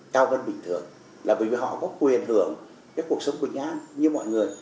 cao hơn bình thường là bởi vì họ có quyền hưởng cái cuộc sống bình an như mọi người